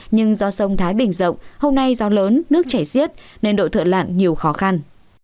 nhưng do sông thái bình rộng hôm nay do lớn nước chảy xiết nên độ thợ lặn nhiều khó khăn